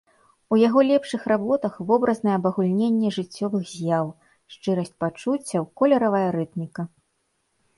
У яго лепшых работах вобразнае абагульненне жыццёвых з'яў, шчырасць пачуццяў, колеравая рытміка.